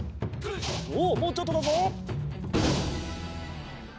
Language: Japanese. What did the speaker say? おっもうちょっとだぞ。